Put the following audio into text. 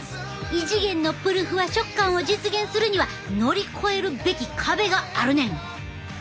異次元のぷるふわ食感を実現するには乗り越えるべき壁があるねん！